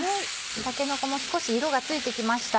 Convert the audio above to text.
たけのこも少し色がついてきました。